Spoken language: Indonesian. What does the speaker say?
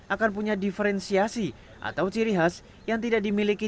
akan punya diferensiasi atau ciri khas yang tidak dimiliki